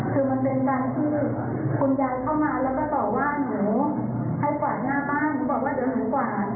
คือมันเป็นวันที่คุณยายเข้ามาแล้วก็ต่อว่าหนูให้กวาดหน้าบ้านเขาบอกว่าเดี๋ยวหนูกวาด